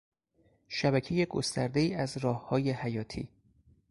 شبکهی گستردهای از راههای حیاتی